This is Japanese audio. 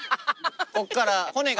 こっから。